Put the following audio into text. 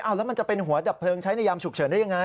แล้วมันจะเป็นหัวดับเพลิงใช้ในยามฉุกเฉินได้ยังไง